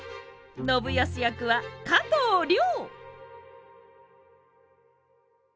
信康役は加藤諒！